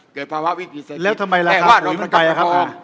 เกิดภาวะวิทย์ผิดเศรษฐิตแค่ว่าราคาปุ๋ยมันไปครับ